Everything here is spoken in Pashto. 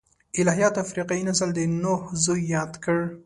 الهیاتو افریقايي نسل د نوح زوی یاد کړ.